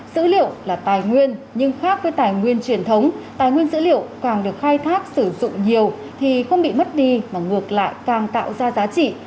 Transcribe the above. dữ liệu là tài nguyên nhưng khác với tài nguyên truyền thống tài nguyên dữ liệu càng được khai thác sử dụng nhiều thì không bị mất đi mà ngược lại càng tạo ra giá trị